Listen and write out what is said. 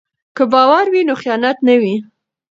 که باور وي نو خیانت نه وي.